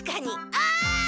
あ！